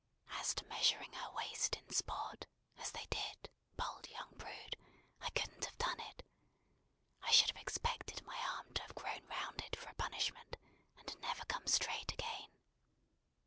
As to measuring her waist in sport, as they did, bold young brood, I couldn't have done it; I should have expected my arm to have grown round it for a punishment, and never come straight again.